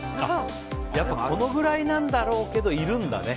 このぐらいなんだろうけどいるんだね。